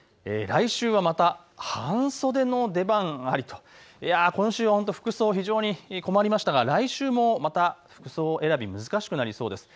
来週はまた半袖の出番ありと、今週服装に非常に困りましたが来週もまた服装選び難しくなりそうです。